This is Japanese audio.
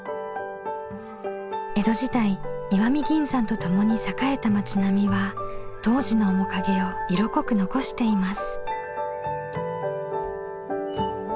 江戸時代石見銀山とともに栄えた町並みは当時の面影を色濃く残しています。